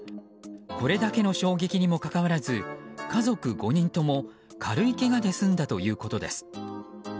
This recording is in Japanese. これだけの衝撃にもかかわらず家族５人とも軽いけがで済んだということです。